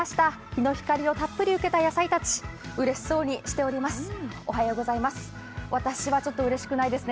日の光をたっぷり受けた野菜たちうれしそうにしております。